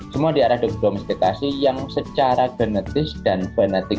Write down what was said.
semua diadopsi didomestikasi yang secara genetis dan fenetik